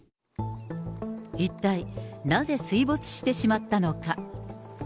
一体なぜ水没してしまったのか。